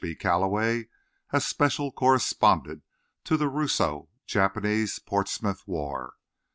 B. Calloway as special correspondent to the Russo Japanese Portsmouth war.